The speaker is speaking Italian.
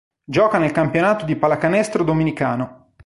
Gioca nel campionato di pallacanestro dominicano.